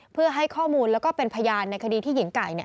เพื่อให้ข้อมูลแล้วก็เป็นพยานในคดีที่หญิงไก่